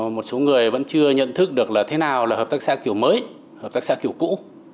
một số người vẫn chưa nhận thức được là thế nào là hợp tác xã kiểu mới hợp tác xã kiểu cũ